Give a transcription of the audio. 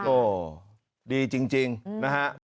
โอ้ดีจริงนะฮะ